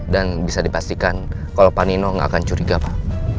dan bisa dipastikan kalau panino tidak akan curiga pak